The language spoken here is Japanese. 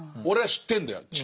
「俺は知ってんだよ。